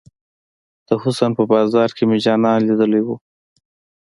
د حسن په بازار کې مې جانان ليدلی وه.